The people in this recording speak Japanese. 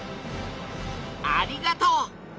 ありがとう！